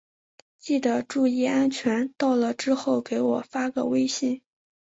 记得注意安全，到了之后给我发个微信。